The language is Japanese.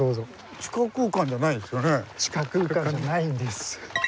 地下空間じゃないんです。